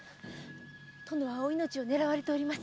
殿はお命を狙われております。